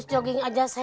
lo bilang pergi pergi